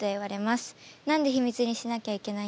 何で秘密にしなきゃいけないんですか？